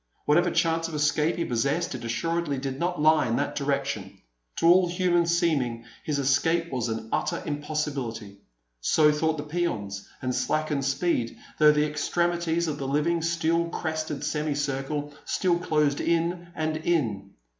Whatever chance of escape he possessed, it assuredly did not lie in that direction. To all human seeming his escape was an utter impossibility. So thought the peons, and slackened speed, though the extremities of the living, steel crested semicircle still closed in and in.